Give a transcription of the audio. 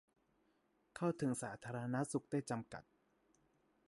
เข้าถึงสาธารณสุขได้จำกัด